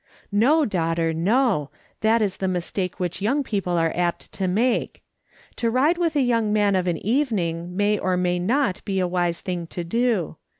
"No, daughter, no; that is the mistake which young people are apt to make. To ride with a young man of an evening may or may not be a wise thing to do.